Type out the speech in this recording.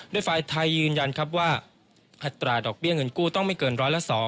โดยฝ่ายไทยยืนยันครับว่าอัตราดอกเบี้ยเงินกู้ต้องไม่เกินร้อยละ๒